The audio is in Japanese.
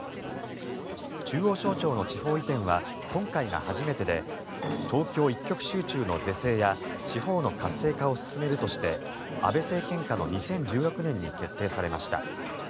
中央省庁の地方移転は今回が初めてで東京一極集中の是正や地方の活性化を進めるとして安倍政権下の２０１６年に決定されました。